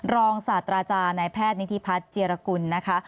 ศาสตราจารย์นายแพทย์นิธิพัฒน์เจียรกุลนะคะ